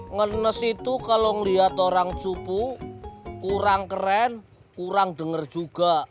ngenes itu kalo ngeliat orang cupu kurang keren kurang denger juga